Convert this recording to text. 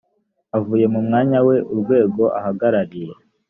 avuye mu mwanya we urwego ahagarariye